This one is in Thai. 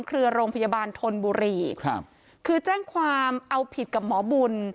เครือโรงพยาบาลธนบุรีครับคือแจ้งความเอาผิดกับหมอบุญ